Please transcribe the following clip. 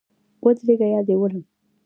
ودرېږه یا دي ولم